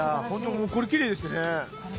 ホントこれきれいですね。